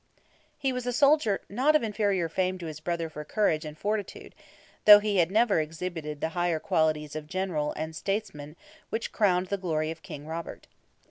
He was a soldier of not inferior fame to his brother for courage and fortitude, though he had never exhibited the higher qualities of general and statesman which crowned the glory of King Robert.